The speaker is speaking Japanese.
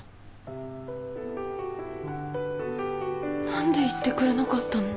何で言ってくれなかったの？